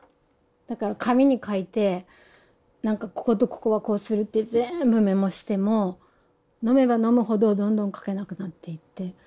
だから紙に書いてこことここはこうするって全部メモしても飲めば飲むほどどんどん描けなくなっていって。